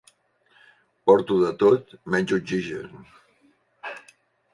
Porto de tot menys oxigen.